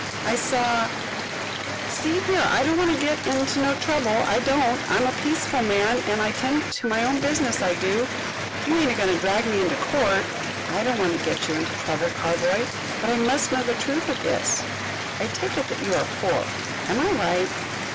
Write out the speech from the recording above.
"I saw See here, I don't want to get in no trouble, I don't. I'm a peaceful man, an' I tend to my own business, I do. You ain't a goin' to drag me into court." "I don't want to get you into trouble, Carboy but I must know the truth of this. I take it that you are poor. Am I right?"